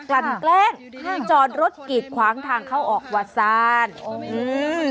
กลันแกล้งจอดรถกิจขวางทางเขาออกวัดซานอืม